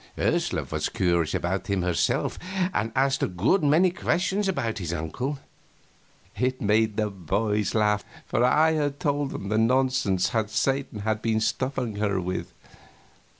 Ursula was curious about him herself, and asked a good many questions about his uncle. It made the boys laugh, for I had told them the nonsense Satan had been stuffing her with.